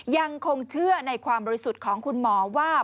ยังคงเชื่อในความบริสุทธิ์ของคุณหมอว่า